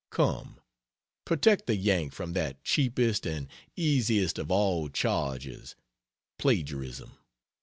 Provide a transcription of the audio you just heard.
Come, protect the Yank from that cheapest and easiest of all charges plagiarism.